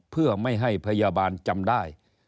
เพื่อไม่ให้พยาบาลจำได้